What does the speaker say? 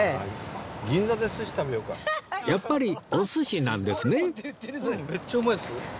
やっぱりお寿司なんですね